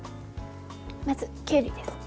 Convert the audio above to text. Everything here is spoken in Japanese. まず、きゅうりですね。